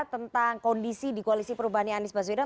tentang kondisi di koalisi perubahannya anies baswedan